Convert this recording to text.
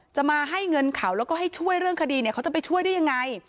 จะมาให้เงินเขาแล้วก็ให้ช่วยเรื่องคดีเนี่ยเขาจะไปช่วยได้ยังไง